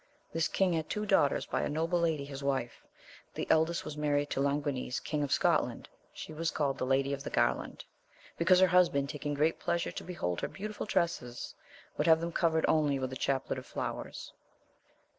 This king had two daughters by a noble lady his wife. The eldest was married to Languines King of Scotland ; she was called the Lady of the Garland, because her husband taking great pleasure to behold her beautiful tresses, would have them covered only with a chaplet of flowers.